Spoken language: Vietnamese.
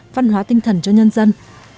văn hóa tinh thần cho nhân dân